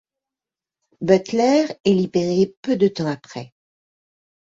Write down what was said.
Butler est libéré peu de temps après.